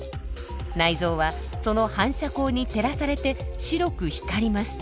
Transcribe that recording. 内臓はその反射光に照らされて白く光ります。